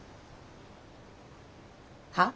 はっ？